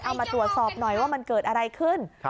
เอามาตรวจสอบหน่อยว่ามันเกิดอะไรขึ้น